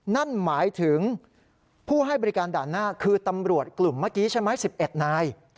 นั่นหมายถึงผู้ให้บริการด่านหน้าคือตำรวจกลุ่มเมื่อกี้ใช่ไหม๑๑นาย